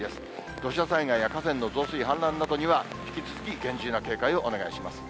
土砂災害や河川の増水、氾濫などには、引き続き厳重な警戒をお願いします。